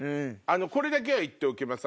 これだけは言っておきます